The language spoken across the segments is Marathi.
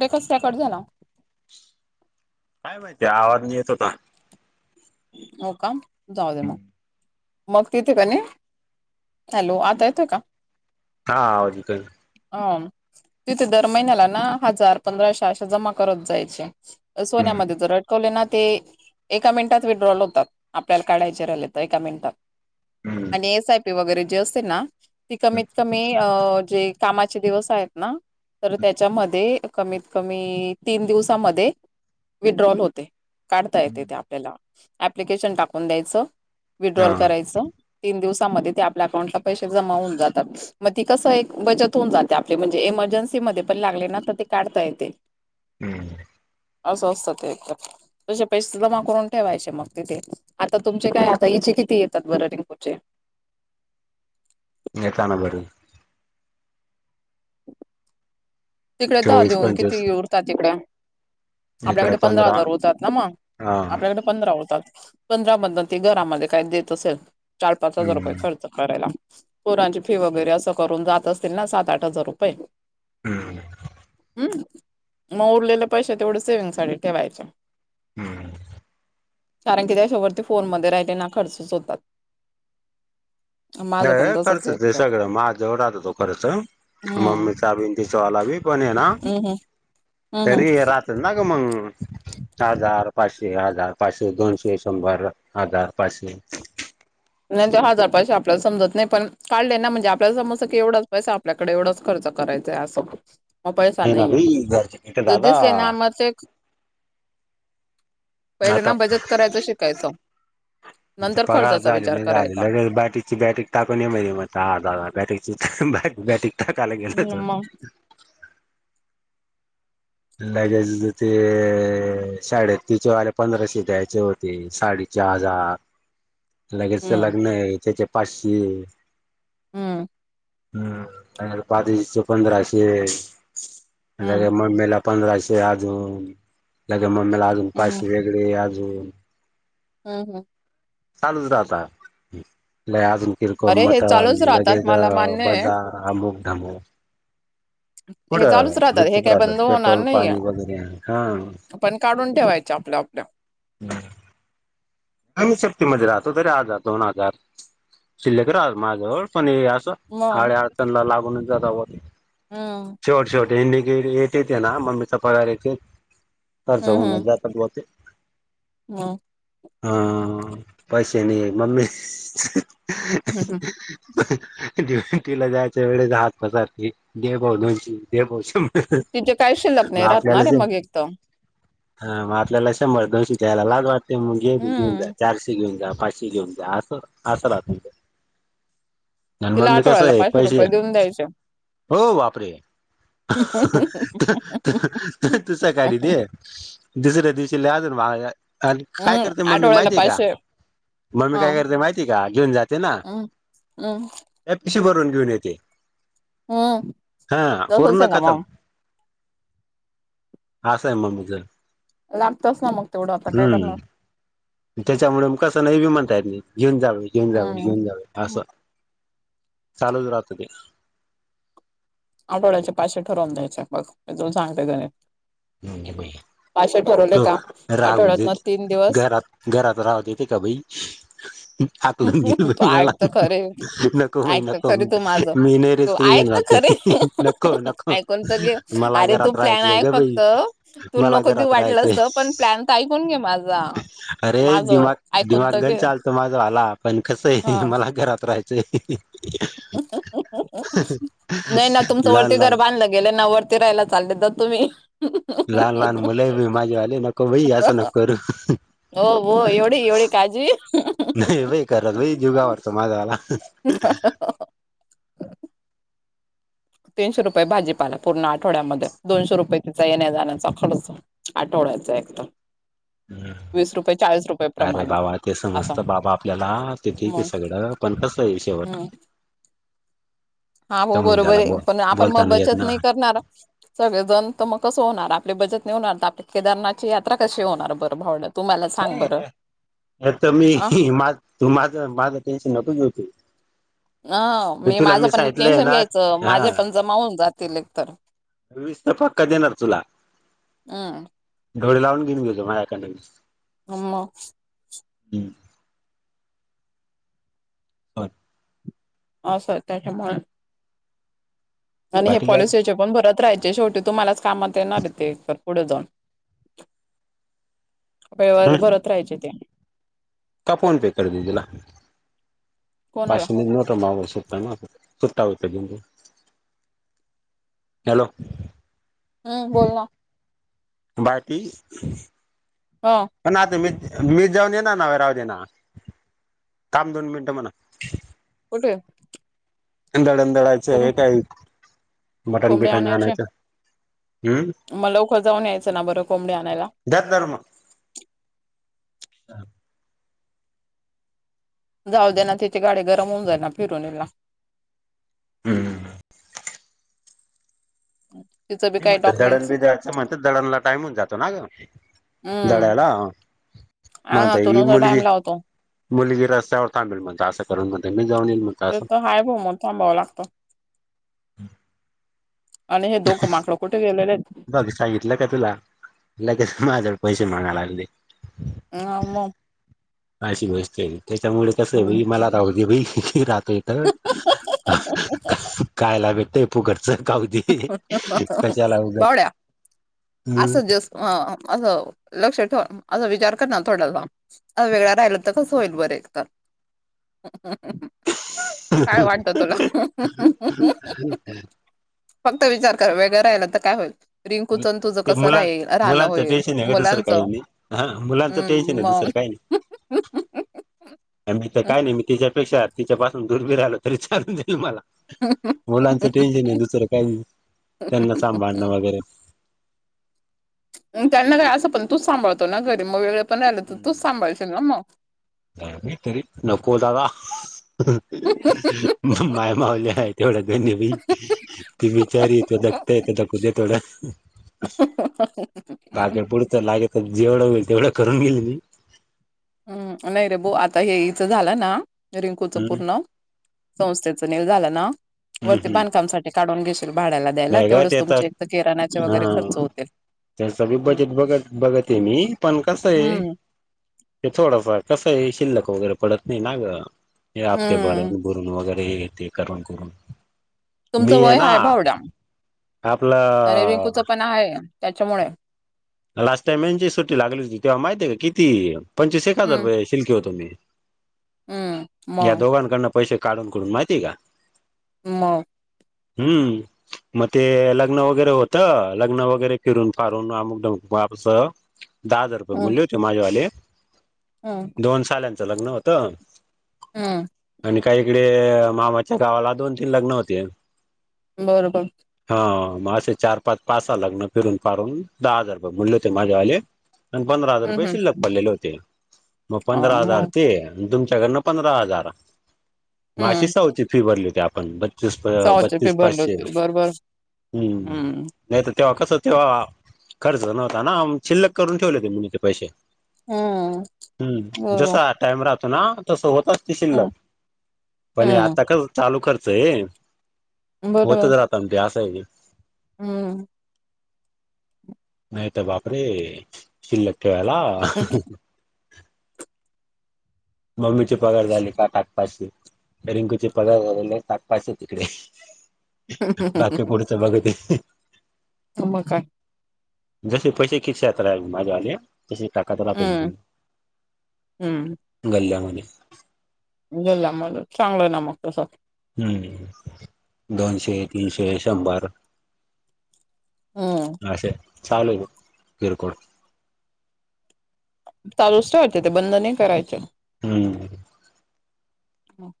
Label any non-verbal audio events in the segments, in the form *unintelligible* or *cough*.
डेकोस काय कट झाला. काय माहिती आवाज नही येत होता. हो का जाऊ दे म. मग तिथे कनी, हॅलो आता येतोय का? हा, हा आवज येतोय. ह तिथे दर महिन्याला ना हजार, पंधराशे अशे जमा करत जायचे. हम्म सोन्यामध्ये जर अटकवले ना ते एका मिनिटात विड्रॉल होतात, आपल्याला काढायचे राहिले त एका मिनिटात. हम्म आणि एस आय पी वगैरे जे असते ना ती हम्म कमीत कमी अ जे कामाचे दिवस आहेत ना. तर त्याच्यामध्ये कमीत कमी तीन दिवसामध्ये विड्रॉल होते, काढता येते ते आपल्याला. आप्लिकेशन टाकून द्यायचं, हा विड्रॉल करायचं. तीन दिवसाांमध्ये ते आपल्या अकांऊटला पैसे जमा होऊन जातात. मग ती कसं एक बचत होऊन जाते, आपली म्हणजे एमर्जन्सी मध्ये पण लागले ना त ते काढता येते. हम्म असं असत ते एकतर तसे पैसे जमा करून ठेवायचे मग तिथे, आता तुमचे काय आता इचे किती येतात बर रिंकु चे. येताना बरे. तिकडे दहा चोवीस देऊन, किती पंचवीस उरतात ईकडे. इकडे आपल्याकडे पंधरा हा हजार होतात ना म हम्म आपल्याकडे पंधरा होतात, पंधरा मधनते घरामध्ये काय देत असेल चार, पाच हजार रुपये खर्च. करायला, पोरांची फी वगैरे असं करून जात असतील ना सात, आठ हजार रुपये. हम्म हम्म मग उरलेले पैसे तेवढे सेविंग साठी ठेवायचे. हम्म कारण की त्या अशा वरती फोन मध्ये राहिले ना खर्चच होतात. द माझं पण तसच आहे खर्चच ते तर सगळ माझजवळच राहतो तो खर्च हम्म मम्मीचा बि तिचावाला बी पण आहे ना हम्म हम्म हम् तरी राहात ना ग मंग हजार, पाचशे, हजार, पाचशे, दोनशे, शंभर, हजार, पाचशे नाही ते हजार पाचसेे आपल्याला समजत नाही पण काढले ना म्हणजे आपल्याला समजत की एवढच पैसा आपल्याकडे एवढाच खर्च करायचाय अस. मग पैसा ना नाही आहे. बाई घरचे किट जो दादा दिसे ना म ते पहिले ना आता बचत करायच शिकायच. म्हणजे नंतर पगार खर्चाच झाले नाही झालेलं रे बॅटरीची बॅटरी टाकू ये म्हणे. म्हटल हा दादा बॅटरीची बॅट बॅटरी टाकायला गेलो हम्म, होतो. मग लगेच ते साडे तीचे वाले पंधराशे द्यायचे होते. ते साडीचे हजार लगेचच ते हम्म लग्न आहे. त्याचे पाचशे हम्म हम्म रूपादिदिचे पंधराशे. हम्म मम्मीला पंधराशे आजून. लगे मम्मीला आजून हम्म पाचशे वेगळे आजून हम्म हम्म चालूच राहता. लय आजुन किरकोळ अरे हे मटन चालूच राहतात लगेच मला मान्य आहे बाजार अमुकधमुक हे चालूच राहतात. हे गुपचूप काय बंद होणार पेट्रोल नाहीये. पाणी वगैरे हा पण काढून ठेवायच आपल आपल. हम्म आम्ही सेफ्टीमध्ये राहतो तरी हाजार, दोन हजार शिल्लक राहता माझ्याजलळ‌. पण हे अस मग अडी अडचणला लागूनच जाता बुवा ते. हम्म शेवट शेवट हेडिके येते ते ना मम्मीचा पगार येते. खर्च हम्म होऊन हम्म जातात बवा ते. *unintelligible* हम्म पैसे नहीये मम्मी हम्म हम्म. दिवटीला जायच्या वेळेस हात पसरते. दे भाऊ दोनशे. दे भाऊ शंभर. तिचेे काही शिल्लक मग नाही आपल्याला राहतणारे शं मग एक तर हा मग आपल्याला शंभर दोनशे द्यायला लाज वाटते. मग हे घेऊन हम्म. जा चारशे घेऊन जा. पाचशे हे घेऊन जा. आस आस राहत. आणि तिला मम्मी कस आठवड्याला आहे पाचशे पैसे रुपये देऊन द्यायचे. हो बापरे तु सकाळी दे दुसऱ्या दिवशी लय असून मागा आणि काय हम्म ते मम्मी आठवड्याला माहिती आहे का? पाचशे मम्मी हा काय करते माहिती का? घेऊन जाते ना हम्म हम्म पिशवी भरून घेऊन येते. हम्म हा तसच पूर्ण आहे ना खतम मग आस आहे मम्मीच. लागतच ना मग तेवढ आता काय करणार. हम्म त्याच्यामुळे म कस नाही ब म्हणता येत नाही‌. घेऊन जा बयी घेऊन जा बयी हम्म. घेऊन जा बयी अस चालूच राहत ते. आठवड्याचे पाचशे ठरवून द्यायचे बघ. इथून सांगते गणित ते पाचशे ठरवले तो का. राहू आठवड्यातन देत तीन दिवस घरात घरात राहू देती का बाई. हाकलून दिल तू ऐक मला, तर खरे नको बाई ऐकत नको खरे तू माझं मी नाही तू रिस्क ऐक तर घेणार ते, नको खरे नको. ऐकून तर घे मला अरे तू घरात प्लॅन राहायचं आहे ग बाई. फक्त तू मला नको देऊ घरात राहायचंय वाटलंस तर पण प्लॅन तर ऐकून घे माझा. अरे माझं दिमाग ऐकून दिमाग तर गण घे चालतो माझा वाला पण कसं आहे. हा मला घरात राहायचंय. नाही ना. तुमच लहान वरती लहान घर बांधलं गेलं ना. वर फिरायला चाले तर तुम्ही, लहान लहान मुलं आहे माझी वाली नको बाई असं नको करू. हो हो. एवढी एवढी काळजी. नाही बाई खरंच बाई जीव घाबरतो माझा वाला. तीनशे रुपये भाजीपाला पूर्ण आठवड्यामध्ये दोनशे रुपये तिचा येण्या-जाण्याचा खर्च आठवड्याचा एकदम. वीस रुपयाच्या अरे बाबा, ते समजत बाबा आपल्याला ते ठीक आहे सगळं पण कस आहे शेवट हम्. हा तर हो मग बरोबर झाला आहे. बोल पण आपण मग बोलताना येत बचत ना नाही करणार. सगळेजण तर मग कसं होणार. आपली बचत नाहीे होणार. तर आपली केदारनाथची यात्रा कशी होणार बरं भावड्या. तू मला सांग नाही. बरं तर अ मी माझ तू माझं माझं टेन्शन नको घेऊ तू. अ मी तुला माझं पण सांगितलंय टेन्शन ना घ्यायचं. हा माझे पण जमावून जातील एकतर मी नुसत पक्का देणार तुला. हं. डोळे लावून घेऊन गेलो. माझ्याकडंन वीस हा म. ह. बर. अस त्याच्यामुळे, आणि हे बाकी काय पॉलिसीचे पण भरत राहायचे. शेवटी तुम्हालाच कामात येणार आहेत ते तर पुढ जाऊन. वही वर हम्म भरत राहायचे ते, का फोन पे कर दिदिला. कोणाला पाचशे नि नोटा मागु सोप ना. सुट्टा होतय म्हणून. हॅलो, हम्म. बोल ना? बाकी हा. पण ना आता मी मीच जाऊन येणार ना राहुदे ना. थांब दोन मिनटं म्हणा. कुठे? दळण दळायचं. कोंब हे काही मटन कोंबडे बिटन आणायचे आणायचं. हम्म मग लवकर जाऊन यायचं ना. बरं कोंबडी आणायला. दान धर्म जाऊ दे ना. तिथे गाडी गरम होऊन जाई ना. फिरवून येईल ना. हम्म. *inaudible* मी म्हटलं, दळण डॉक्युमेंट्स बी दळायच म्हणत दळणला टाइम होऊन जातो ना ग. हम्म दड्याला, *unintelligible* म हा ना आता तो ही नुसार मुलगी. टाइम लावतो मुलगी रस्त्यावर थांबेल, म्हणत असं करून म्हण मी जाऊन येईल, म्हणता. ते तर हाय भो, म थांबावं लागत. आणि हे दोख माकडं कुठ गेलेलेत? बघ *unintelligible* सांगितलं का तुला? लगेच माझ्याक् पैशे मागायला आलेले. मऊ मऊ. अशी गोष्टय, त्याच्यामुळे कस बाई, मला राहू देई बाई, राह ते कारण हः हः हः खायला भेटते. फुकटच, खाउदे ह ह कशाला उग बावड्या असं जस अं असं लक्ष ठेव, असा विचार करणा थोडासा. अ वेगळं राहिल, तर कसं होईल बर एकतर ह ह्हणं काय वाटत तुला? ह्ह्हणं हं ह्ह्हहन. फक्त विचार कर, वेगळं राहिल, तर काय होईल? रिंकूचं आणि तुझं ते कसं राहील राहणं मुला-मुलांच होईल टेन्शन गं, दुसरं मुलांचं काही नही, हां मुलांच टेन्शन ये दुसरं काही. ह्हणं हहुं. मी तर काय नही, मी तिच्यापेक्षा तिच्यापासून दुर बी राहिलो, तरी चालून जाईल मला. मुलांच टेन्शन ये, दुसरं काही त्यांना सांभाळणं वगैरे. अं त्यांना काय असं पण तूच सांभाळतो ना घरी, म वेगळे पण राहिलं, तर तूच सांभाळशील ना म? काही नही, तरी नको दादा. मं-माय माऊली हाय, तेव्हड्या दोन्ही बी. ती बीचारी त धकतय, त धकूदे थोडं. ह ह हहं. *unintelligible* पुुडच लागे त जेवढं होईल, तेवढं करून गेईल मी. हम्, नही रे बो आता हे इचं झालं ना, रिंकूच हम्म पूर्ण संस्थेच निल झाला ना, हम्म वरती हम्म बांधकामसाठी काढून घेशी भाड्याला द्यायला, नाही ग तेवढंच त्याचा तुमचे एकत कीराणाचे वगैरे खर्च होतील. त्याच बी हम्म, बजेट बघत-बघत ये मी, पण कसंये हम्म, ते थोडफार कसये शिल्लक वगैरे पडत नाही ना ग, हे हप्ते भर हम्म. *unintelligible* न वगैरे हे ते करून-करून. तुमचं वय हाय भावडा आणि आपलं रिंकूचं पण हाय, त्याच्यामुळे लास्ट टाइम यांची सुट्टी लागली होती, तेव्हा माहिती का? किती पंचवीस एक हजार हम्म, रपये *unintelligible* तो मी हम्म. या मग दोघांकडन पैसे काढून-कडून माहिती का? म? हम्म. म ते लग्न वगैरे होतं, लग्न वगैरे फिरून-फारून अमुक धमु वाबस दहा हजार रुपये बोलले होते, माझ्यावाले. हं. दोन साल्यांचं लग्न होतं. हम. आणि काही इकडे मामाच्या गावाला, दोन तीन लग्न होते. बरोबर. हं अं म अशे चार पाच, पासा लग्न फिरून फारून, दहा हजार रुपये *unintelligible* होते माझ्यावाले. अं पंधरा हजार हम्म, रुपये हम्म. शिल्लक पडलेले होते, म अं, पंधरा हजार मग ते अं तुमच्याकडनं पंधरा हजार, म अशी हम्म. साऊची फी भरली होती, आपण ब तीस पळ्या सहाशे फी बत्तीस भरले पाचशे होते बरोबर हम्म हम्म नाही तर तेव्हा कसं तेव्हा. खर्च नव्हता ना शिल्लक करून ठेवले होते मी ते पैसे. हम्म हम्म जस बरोबर टाइम राहतो ना तस होतच. ती शीनला हम्म पण हम्म आता कास चालू खर्च आहे होत बरोबर च राहत. अगदी आस आहेे ते. हम्म. नाही तर बापरे शिल्लक ठेवायला. मम्मीचे पगार झाली का टाकपाशी. रिंंगूचे पगार झालेले टाकपायचे तिकडे बाकी पुढच बघते. होय मग काय? जसे पैसे खिशात राल माझ आले. तसे ही ताकत राहते हम्म हम्म गल्ल्यामध्ये. गल्ल्यामध्ये चांगलं ना मग तसं. हम्म दोनशे तीनशे शंभर. हम्म अस चालू कीरकोळ. चालूच ठेवायचं ते बंद नाही करायच. हम्म. हो,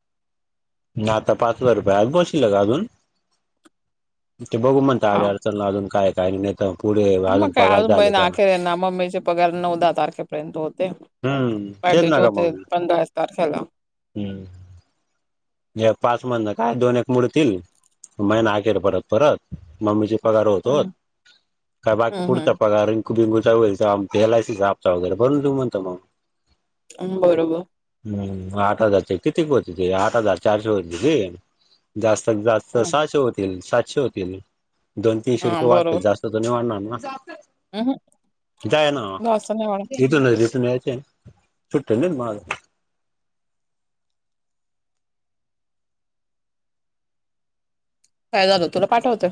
ना आता पाच हजार रुपये आज बसील का अजून ते बघू म्हणता आडी हा अडचणी. त्यातलं अजून काय काय. त्या पुढे. मग अजून काय पगार आज झाले का महिना अखेर आहे ना मग् ममीचे पगार नऊ दहा तारखेपर्यंत होते. हम्म तेच पहायचे ना का होत्यात मग पंधराच तारखेला. हम्म. हे पाच म्हण ना काय दोन एक मोडतील महिना अखेर परत परत मम्मीचे. पगार होतो हम्म काय बाकी पुढचा हम्म पगार. बिंगुचा वईल भेलायस एलआयसी वगैरे बनून तू म्हणत मग. बरोबर. हम् आठ हजारच्या किती होती ते आठ हजार चारशे होती ती जास्तत जास्त. तर हम्म सहाशे होतील सातशे होतील दोन तीनशे हा रुपये वाढते बरोबर जास्त तर नाही वाढणार ना. हम्म जाय ना. जास्त नाही मॅडम जतून जत याचे सुुट्टे नाही माझ. काय झालं तुला पाठवतं.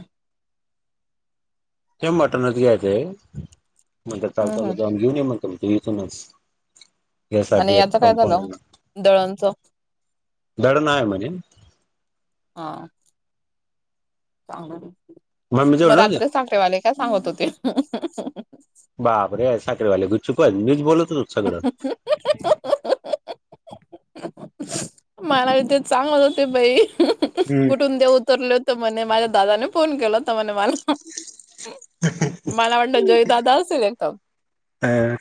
ते मटणच घ्यायचं हाय म्हणताना चालत हम्म चाललो हम्म होतो आम्ही. घेऊन या म्हणते इथून गॅस आणि याचं काय पंपावर. झालं दळणचं धडण आहे म्हणे. हां, मम्मी मग जवळ नव्हत्या रात्र सठेवाले का सांगत होते. बाप रे साठे वाले गुच्छ पण गपछूप मीच बोलतो. अ *inaudible* म्हला बी ते चांगच होते बाई हम्म कुठून ते उतरले. तर मने माझ्या दादाने फोन केला तर मणे मला. मला वाटत जय दादा असेल एक तर. आ,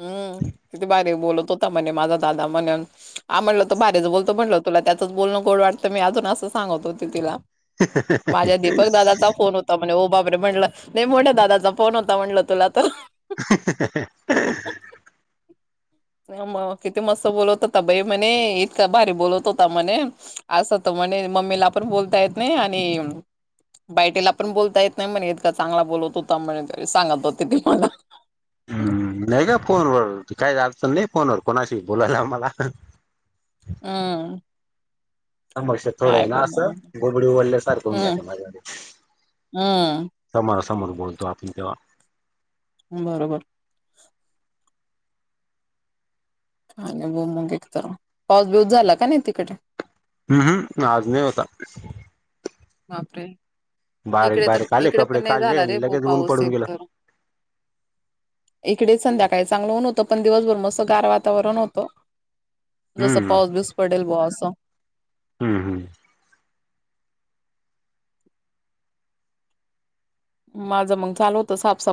हम्म किती भारी बोलत होता म्हणे माझा दादा म्हणून आमी म्हटलं. त बारीच बोलतो म्हटलं तुला त्याच बोलण गोड वाटतं मी अजून असं सांगत होते तिला. माझ्या दीपक दादाचा फोन होत त म्हणे हो बाबरे म्हणलं नाही मोठ्या दादाचा फोन होता म्हणलं तुला तर. *inaudible* नाई म किती मस्त बोलत होता बाई म्हणे इतका भारी बोलत होता म्हणे. असं त म्हणजे मम्मीला पण बोलता येत नाही आणि बाय टेला पण बोलता येत नाही म्हणेत का चांगला बोलत होता म्हणे सांगत होते ती मला. हम्म नाही का फोनवर काय झालं अडचण नाही फोनवर कोणाशी बोलायला आम्हाला. हम्म. समक्ष थोडं काय आहे ब ना असं गोबडी उडल्यासारखं होऊन जात माझ्या हम. समोरा समोर बोलतो आपण तेव्हा. बरोबर. आणि बोंबलून घेतलं तर पाऊस बिऊस झाला का नाही तिकडे? उम हम्म आज नाही होता. बापरे बारीक इकडे तर बारीक आले इकडे कपडे पण नाही काढले झाला रे लगेच ऊन पाऊस पडून एक गेलं. तर. *inaudible* इकडेच संध्याकाळी चांगलं ऊन होतं पण दिवसभर मस्तं गार वातावरण होतं. जस हम्म पाऊस बीऊस पडेल बुवा असं. हम हम. माझं मंग चालू होतं साफसाफ